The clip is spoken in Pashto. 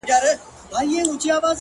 هر فکر یو تخم دی